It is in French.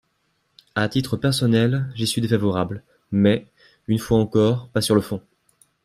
À titre personnel, j’y suis défavorable mais, une fois encore, pas sur le fond.